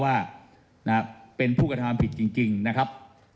ว่าเป็นผู้กระทำผิดจริงนะครับ